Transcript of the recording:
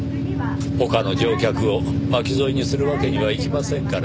他の乗客を巻き添えにするわけにはいきませんから。